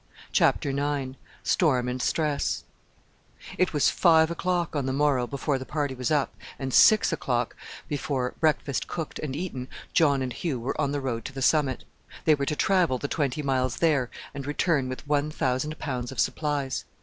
CHAPTER IX STORM AND STRESS It was five o'clock on the morrow before the party was up, and six o'clock before, breakfast cooked and eaten, John and Hugh were on the road to the summit. They were to travel the twenty miles there, and return with one thousand pounds of supplies.